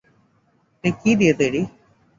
তুই কি দিয়ে তৈরী?